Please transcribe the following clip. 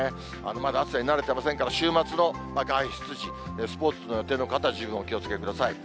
まだ暑さに慣れてませんから、週末の外出時、スポーツの予定の方、十分お気をつけください。